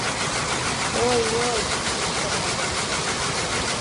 «Ой-ой!» — кычкырале.